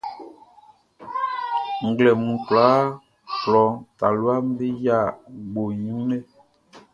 Nglɛmun kwlaaʼn, klɔ taluaʼm be yia gboʼn i wun lɛ.